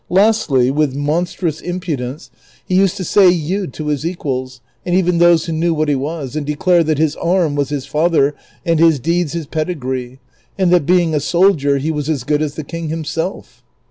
Lastly, with monstrous impudence lie used to say " you'" to his equals and even those who knew what he was, and declare that his arm was his father and his deeds his pedigree, and that being a soldier he was as jTood as the kin": himself.